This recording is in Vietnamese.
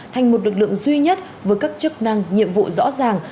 thành một lực lượng duy nhất với các chức năng nhiệm vụ rõ ràng